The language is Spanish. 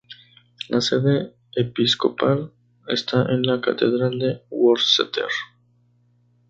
La sede episcopal está en la catedral de Worcester.